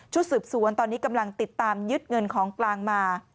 สืบสวนตอนนี้กำลังติดตามยึดเงินของกลางมา